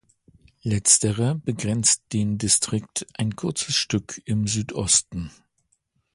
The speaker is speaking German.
Letzterer begrenzt den Distrikt ein kurzes Stück im Südosten.